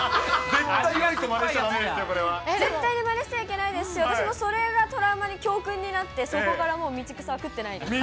絶対、絶対にまねしちゃいけないですし、私もそれがトラウマで教訓になって、そこからもう道草は食ってないです。